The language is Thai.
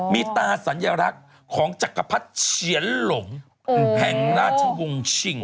มีตาสัญลักษณ์ของจักรพรรดิเฉียนหลงแห่งราชวงศ์ชิง